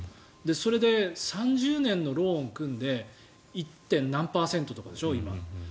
それで３０年のローンを組んで１．何パーセントとかでしょ。